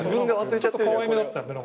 ちょっとかわいめだった。